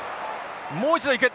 もう一度行く。